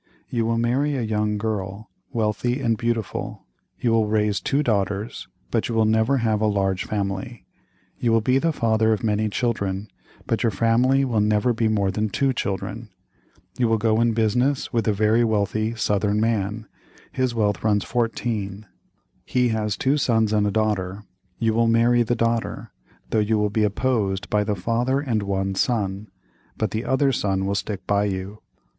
You will marry a young girl, wealthy and beautiful. You will raise two daughters, but you will never have a large family. You will be the father of many children, but your family will never be more than two children. You will go in business with a very wealthy Southern man, his wealth runs 14—he has two sons and a daughter. You will marry the daughter, though you will be opposed by the father and one son, but the other son will stick by you.